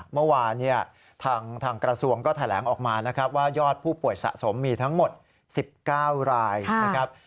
เมื่อวานทางกระทรวงก็แถลงออกมานะครับว่ายอดผู้ป่วยสะสมมีทั้งหมด๑๙รายนะครับ